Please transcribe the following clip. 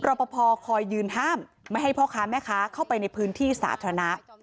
ปภคอยยืนห้ามไม่ให้พ่อค้าแม่ค้าเข้าไปในพื้นที่สาธารณะ